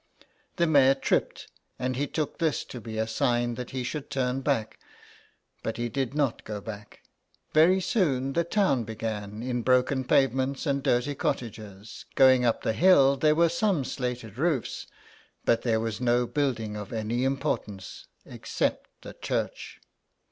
The mare tripped, and he took this to be a sign that he should turn back. But he did not go back. Very soon the town began, in broken pavements and dirty cottages ; going up the hill there were some slated roofs, but there was no building of any im portance except the church.